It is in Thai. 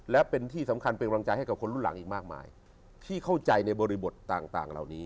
และเป็นที่สำคัญเป็นกำลังใจให้กับคนรุ่นหลังอีกมากมายที่เข้าใจในบริบทต่างเหล่านี้